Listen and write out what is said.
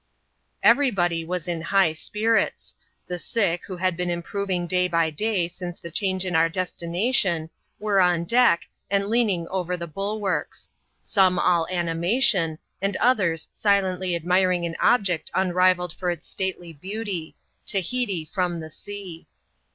Everybody was in high spirits. The sick, who had been im proving day by day since the change in our destination, were on deck, and leaning over the bulwarks ; some all animation, and others silently admiring an object unrivalled for its stately beauty — Tahiti from the sea.